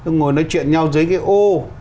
ngồi nói chuyện nhau dưới cái ô